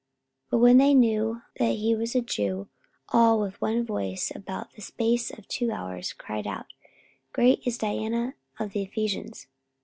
44:019:034 But when they knew that he was a Jew, all with one voice about the space of two hours cried out, Great is Diana of the Ephesians.